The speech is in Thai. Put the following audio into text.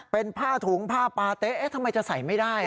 เป็นผ้าถุงผ้าปาเต๊ะทำไมจะใส่ไม่ได้